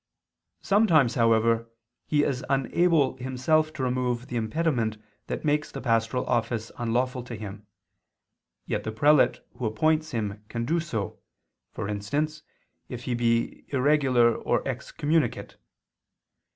Sometimes, however, he is unable himself to remove the impediment that makes the pastoral office unlawful to him, yet the prelate who appoints him can do so for instance, if he be irregular or excommunicate.